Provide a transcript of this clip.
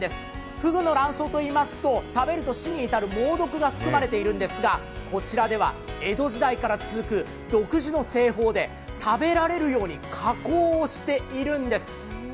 ふぐの卵巣といいますと、食べると死に至る猛毒が含まれているんですがこちらでは江戸時代から続く独自の製法で食べられるように加工をしているんです。